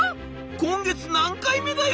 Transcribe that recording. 今月何回目だよ」。